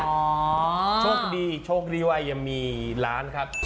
โชคดีโชคดีว่ายังมีร้านครับ